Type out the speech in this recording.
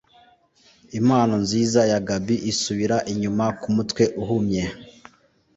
Impano nziza ya gab isubira inyuma kumutwe uhumye.